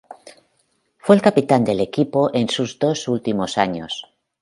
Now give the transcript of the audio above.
Fue el capitán del equipo en sus dos últimos años.